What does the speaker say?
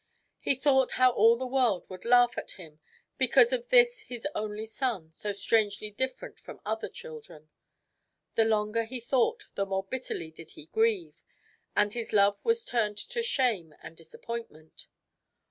He thought how all the world would laugh at him because of this his only son, so strangely different from other children. The longer he thought, the more bitterly did he grieve, and his love was turned to shame and disappointment.